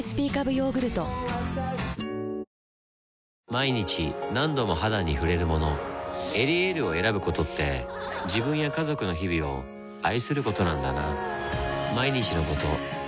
毎日何度も肌に触れるもの「エリエール」を選ぶことって自分や家族の日々を愛することなんだなぁ